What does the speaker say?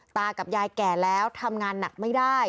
ตากับยายแก่แล้วทำงานหนักไม่ได้